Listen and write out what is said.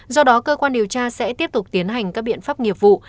do đó cơ quan điều tra sẽ tiếp tục tiến hành các biện pháp nghiệp vụ